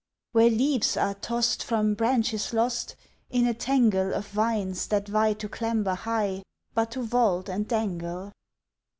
Where leaves are tossed from branches lost In a tangle Of vines that vie to clamber high But to vault and dangle!